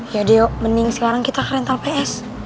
ya deo mending sekarang kita ke rental ps